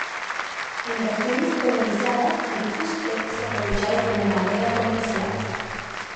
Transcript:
En regiones colonizadas el fuste es aprovechado como madera comercial.